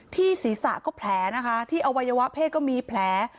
ที่ศีรษะก็แผลนะคะที่อวัยวะเพศก็มีแผล